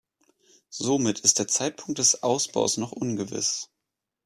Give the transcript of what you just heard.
Somit ist der Zeitpunkt des Ausbaus noch ungewiss.